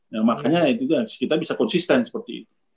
ya makanya kita bisa konsisten seperti itu